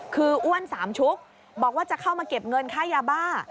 คืออ้วนสามชุกบอกว่าจะเข้ามาเก็บเงินค่ายาบ้า